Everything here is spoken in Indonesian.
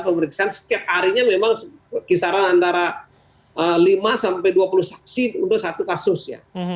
pemeriksaan setiap harinya memang kisaran antara lima sampai dua puluh saksi sudah satu kasus ya